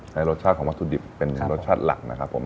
ให้รสชาติของวัตถุดิบเป็นรสชาติหลักนะครับผม